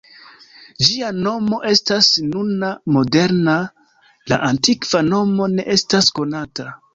Ĝia nomo estas nuna moderna, la antikva nomo ne estas konata.